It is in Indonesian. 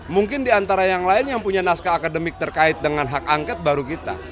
mungkin diantara yang lain yang punya naskah akademik terkait dengan hak angket baru kita